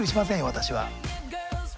私は。